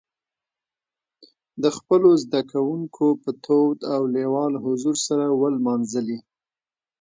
د خپلو زدهکوونکو په تود او لېوال حضور سره ونمانځلي.